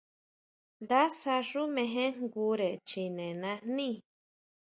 Ndásja xú mejenjngure chine najní.